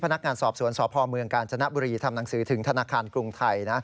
พนักงานสอบสวนสพเมืองกาญจนบุรีทำหนังสือถึงธนาคารกรุงไทย